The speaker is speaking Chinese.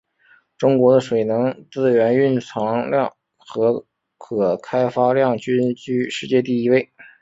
中国的水能资源蕴藏量和可开发量均居世界第一位。